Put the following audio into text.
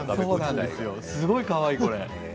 すごいかわいい。